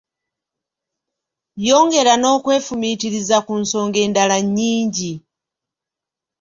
Yongera n'okwefumiitiriza ku nsonga endala nnyingi.